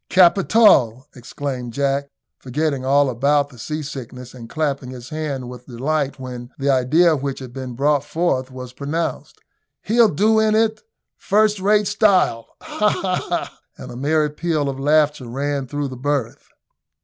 "Capital!" exclaimed Jack, forgetting all about his seasickness and clapping his hands with delight when the idea which had been brought forth was propounded; "he'll do in it first rate style ha, ha, ha!" and a merry peal of laughter ran through the berth.